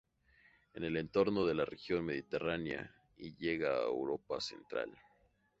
En el entorno de la región mediterránea y llega a Europa central.